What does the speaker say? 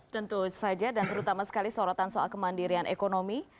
tentu saja dan terutama sekali sorotan soal kemandirian ekonomi